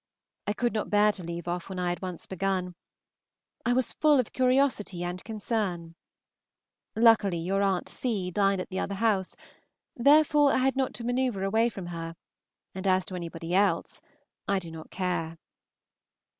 I could not bear to leave off when I had once begun. I was full of curiosity and concern. Luckily your At. C. dined at the other house; therefore I had not to manoeuvre away from her, and as to anybody else, I do not care.